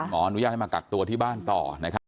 อนุญาตให้มากักตัวที่บ้านต่อนะครับ